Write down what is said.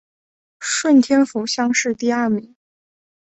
顺天府乡试第二名。